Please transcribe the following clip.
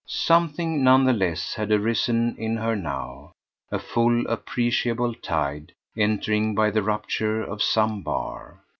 Something, none the less, had arisen in her now a full appreciable tide, entering by the rupture of some bar.